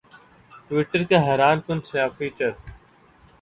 Twitter کا حیران کن نیا فیچر